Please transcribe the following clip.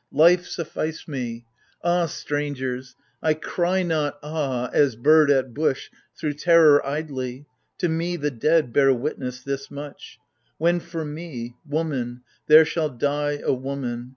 Life suffice me ! Ah, strangers ! I cry not " ah "— as bird at bush — through terror Idly ! to me, the dead, bear witness this much : When, for me — woman, there shall die a woman.